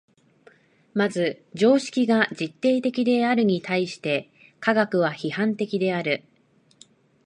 まず常識が実定的であるに対して科学は批判的である。